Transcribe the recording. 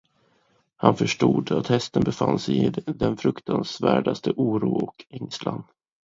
Han förstod, att hästen befann sig i den fruktansvärdaste oro och ängslan.